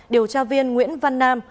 điều tra viên nguyễn văn nam